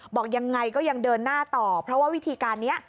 บอกยังไงก็ยังเดินหน้าต่อเพราะว่าวิธีการนี้